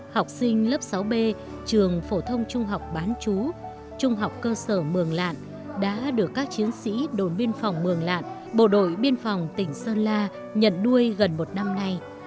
học sinh lớp sáu b trường phổ thông trung học bán chú trung học cơ sở mường lạn đã được các chiến sĩ đồn biên phòng mường lạn bộ đội biên phòng tỉnh sơn la nhận đuôi gần một năm nay